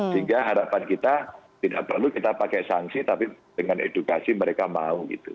sehingga harapan kita tidak perlu kita pakai sanksi tapi dengan edukasi mereka mau gitu